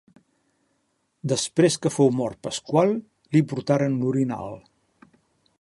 Després que fou mort Pasqual, li portaren l'orinal.